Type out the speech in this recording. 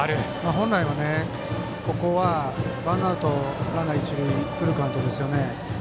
本来はここはワンアウトランナー、一塁でフルカウントですよね。